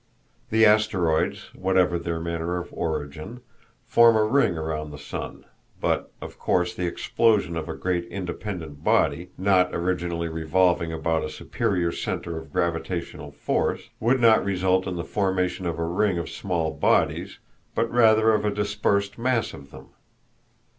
The Asteroids, whatever their manner of origin, form a ring around the sun; but, of course, the explosion of a great independent body, not originally revolving about a superior center of gravitational force, would not result in the formation of a ring of small bodies, but rather of a dispersed mass of them.